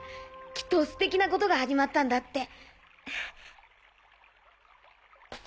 きっとステキなことが始まったんだって。